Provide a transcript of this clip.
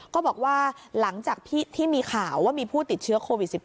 ก็บอกว่าหลังจากที่มีข่าวว่ามีผู้ติดเชื้อโควิด๑๙